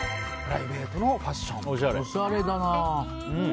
おしゃれだな。